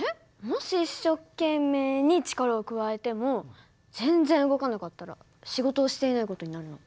もし一生懸命に力を加えても全然動かなかったら仕事をしていない事になるの？